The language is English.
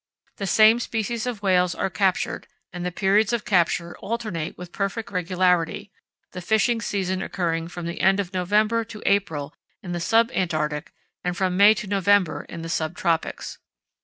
The same species of whales are captured, and the periods of capture alternate with perfect regularity, the fishing season occurring from the end of November to April in the sub Antarctic and from May to November in the sub tropics.